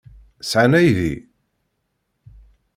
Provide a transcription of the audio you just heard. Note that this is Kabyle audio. Sɛan aydi?